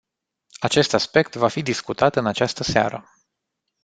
Acest aspect va fi discutat în această seară.